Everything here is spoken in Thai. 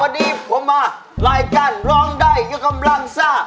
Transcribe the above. วันนี้ผมมารายการร้องได้ยกกำลังซ่า